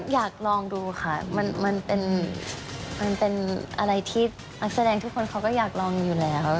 อยากลองดูค่ะมันเป็นอะไรที่นักแสดงทุกคนเขาก็อยากลองอยู่แล้ว